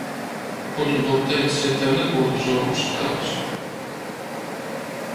Ko tu būtu teicis, ja tev nebūtu zobu skavas?